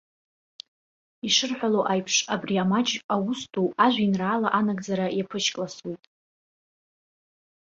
Ишырҳәало аиԥш абри амаҷ аус ду ажәеинраала анагӡара иаԥышькласуеит.